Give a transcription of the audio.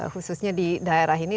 khususnya di daerah ini